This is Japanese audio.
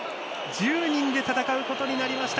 １０人で戦うことになりました